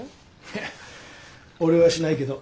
いや俺はしないけど。